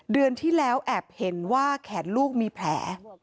เดือนที่แล้วแอบเห็นว่าแขนลูกมีแผล